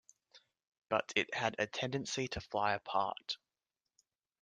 But it had a tendency to fly apart.